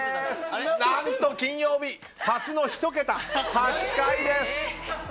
何と、金曜日初の１桁８回です。